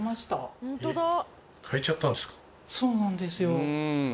そうなんですよ。